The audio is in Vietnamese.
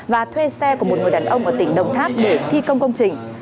và thuê xe của một người đàn ông ở tỉnh đồng tháp để thi công công trình